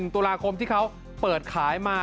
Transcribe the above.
ตุลาคมที่เขาเปิดขายมา